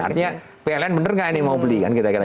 artinya pln bener gak ini mau beli kan kita kira kira